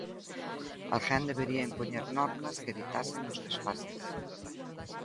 Alguén debería impoñer normas que evitasen os desfases.